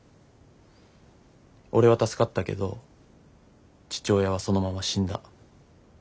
俺は助かったけど父親はそのまま死んだ。